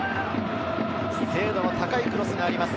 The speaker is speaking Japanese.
精度の高いクロスがあります。